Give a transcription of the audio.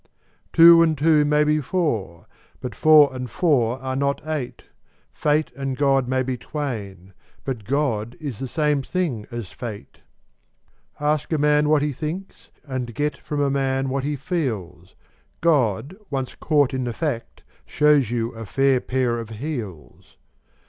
Two and two may be four: but four and four are not eight: Fate and God may be twain: but God is the same thing as fate. Ask a man what he thinks, and get from a man what he feels: God, once caught in the fact, shows you a fair pair of heels.